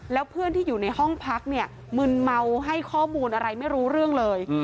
แล้วเพื่อนที่อยู่ในห้องพักเนี่ยมึนเมาให้ข้อมูลอะไรไม่รู้เรื่องเลย